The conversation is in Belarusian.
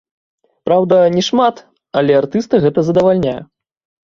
Праўда, не шмат, але артыста гэта задавальняе.